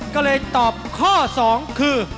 ก็เลยตอบข้อ๒คือ